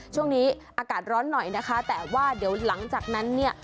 ช่วงนี้อากาศร้อนหน่อยนะคะแต่ว่าเดี๋ยวหลังจากนั้นเนี่ย